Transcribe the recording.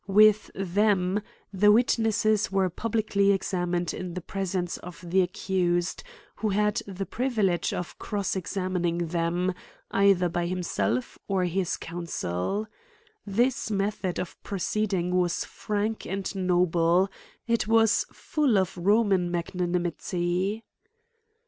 With them, the witnesses were publicly examined in the presence of the accused, who had the pri vilege of cross examining them, either by him self or his counsel. This method of proceeding was frank and noble ; it was full of Roman mag nanimity.